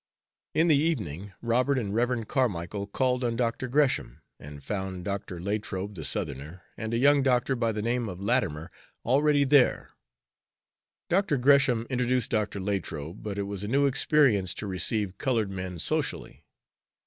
In the evening Robert and Rev. Carmicle called on Dr. Gresham, and found Dr. Latrobe, the Southerner, and a young doctor by the name of Latimer, already there. Dr. Gresham introduced Dr. Latrobe, but it was a new experience to receive colored men socially.